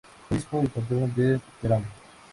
Obispo y Patrón de Teramo.